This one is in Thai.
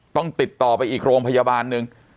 ต้องติดต่อไปอีกโรงพยาบาลหนึ่ง